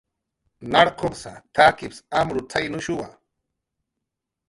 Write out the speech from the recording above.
"Narqupsa, t""akips amrutzaynushuwa"